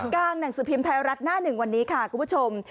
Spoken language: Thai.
หนังสือพิมพ์ไทยรัฐหน้าหนึ่งวันนี้ค่ะคุณผู้ชม